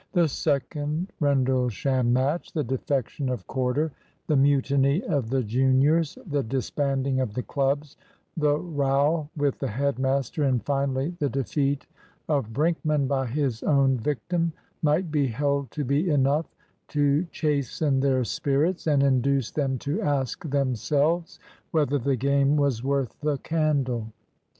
The second Rendlesham match, the defection of Corder, the mutiny of the juniors, the disbanding of the clubs, the row with the head master, and finally, the defeat of Brinkman by his own victim, might be held to be enough to chasten their spirits, and induce them to ask themselves whether the game was worth the candle.